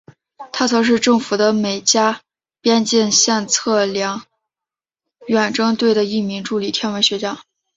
他曾是政府的美加边境线测量远征队的一名助理天文学家。